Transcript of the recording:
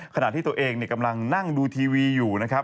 ขณะที่ตัวเองกำลังนั่งดูทีวีอยู่นะครับ